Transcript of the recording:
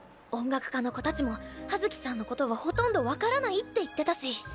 音楽科の子たちも葉月さんのことはほとんど分からないって言ってたし。